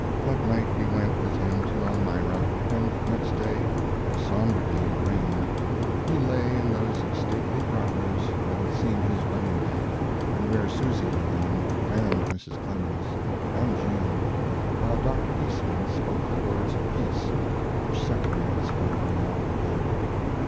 That night we went with him to Elmira, and next day a somber day of rain he lay in those stately parlors that had seen his wedding day, and where Susy had lain, and Mrs. Clemens, and Jean, while Dr. Eastman spoke the words of peace which separate us from our mortal dead.